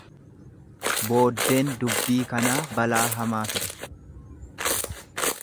Booddeen dubbii kanaa balaa hamaa fida.